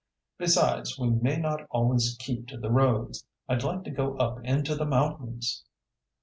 Besides, we may not always keep to the roads. I'd like to go up into the mountains."